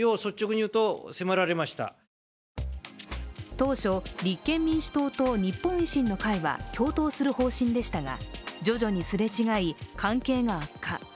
当初、立憲民主党と日本維新の会は共闘する方針でしたが、徐々にすれ違い、関係が悪化。